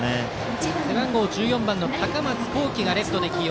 背番号１４番の高松宏季がレフトで起用。